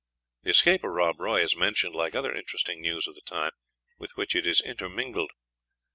The escape of Rob Roy is mentioned, like other interesting news of the time with which it is intermingled.